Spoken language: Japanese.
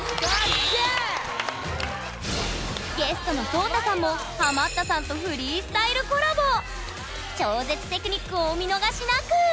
ゲストのＳＯＴＡさんもハマったさんと超絶テクニックをお見逃しなく！